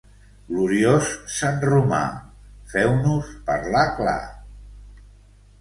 Gloriós sant Romà, feu-nos parlar clar.